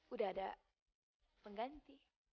udah ada pengganti